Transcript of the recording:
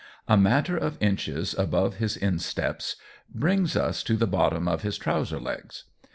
A matter of inches above his insteps brings us to the bottom of his trouser legs.